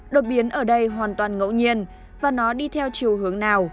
đột biến ở đây hoàn toàn ngẫu nhiên và nó đi theo chiều hướng nào